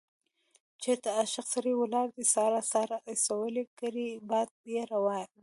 چېرته عاشق سړی ولاړ دی ساړه ساړه اسويلي کړي باد يې راوړينه